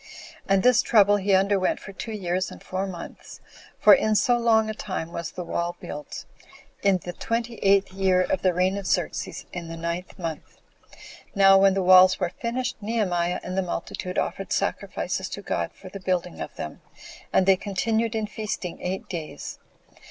And this trouble he underwent for two years and four months; 14 for in so long a time was the wall built, in the twenty eighth year of the reign of Xerxes, in the ninth month. Now when the walls were finished, Nehemiah and the multitude offered sacrifices to God for the building of them, and they continued in feasting eight days.